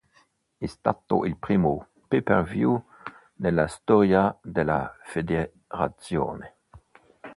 È stato il primo pay-per-view nella storia della federazione.